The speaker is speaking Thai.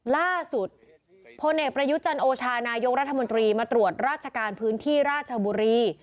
ล่าสุดพลเอกประยุจันโอชานายกรัฐมนตรีมาตรวจราชการพื้นที่ราชบุรี